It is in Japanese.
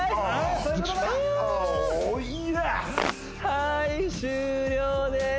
はい終了です